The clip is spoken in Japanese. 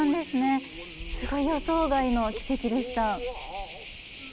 すごい予想外の奇跡でした。